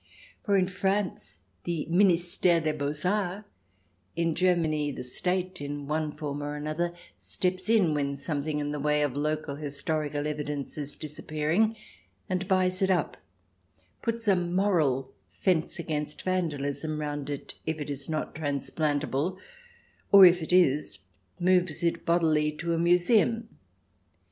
For in France the Ministere des Beaux Arts, in Germany the State, in one form or another, steps in when something in the way of local his torical evidences is disappearing, and buys it up — 26o THE DESIRABLE ALIEN [ch. xix puts a moral fence against vandalism round it, if it is not transplantable, or, if it is, moves it bodily to a museum.